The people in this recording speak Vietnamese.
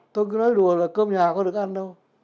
tôi cứ nói đùa là cơm nhà có được ăn đâu